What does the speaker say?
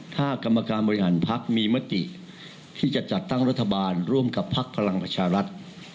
ถ้ากรรมการบริหารพักมีมติที่จะจัดตั้งรัฐบาลร่วมกับพักพลังประชารัฐ